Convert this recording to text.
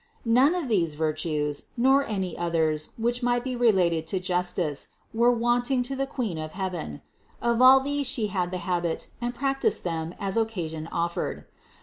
565. None of these virtues, nor any others which might be related to justice, were wanting to the Queen of heaven ; of all these She had the habit and practiced them as occasion offered.